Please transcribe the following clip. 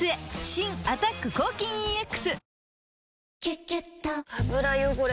新「アタック抗菌ＥＸ」「キュキュット」油汚れ